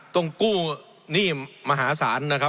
ต้องกู้หนี้มหาศาล